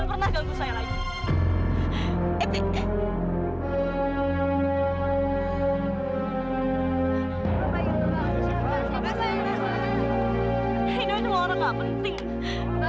ibu saya nggak punya waktu untuk bicara sama ibu